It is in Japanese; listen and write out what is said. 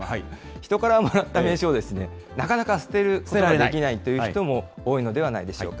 人からもらった名刺をなかなか捨てることができないという人も多いのではないでしょうか。